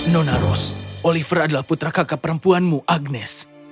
nona ros oliver adalah putra kakak perempuanmu agnes